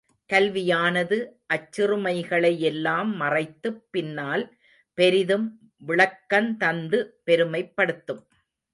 கல்வியானது அச்சிறுமைகளை யெல்லாம் மறைத்துப் பின்னால் பெரிதும் விளக்கந் தந்து பெருமைப் படுத்தும்.